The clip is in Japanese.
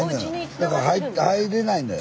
だから入れないのよ。